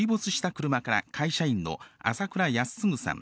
車から会社員の朝倉泰嗣さん